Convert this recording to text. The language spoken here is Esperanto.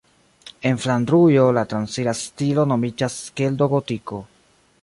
En Flandrujo la transira stilo nomiĝas Skeldo-Gotiko.